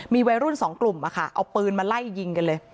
มีวัยรุ่นสองกลุ่มเอาปืนมาไล่ยิงกันเลย